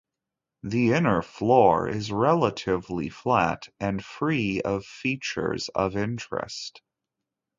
The inner floor is relatively flat and free of features of interest.